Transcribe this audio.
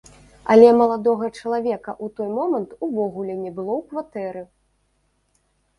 Але маладога чалавека ў той момант увогуле не было ў кватэры.